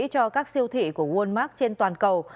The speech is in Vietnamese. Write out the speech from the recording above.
cho các siêu thị của walmart trên toàn cầu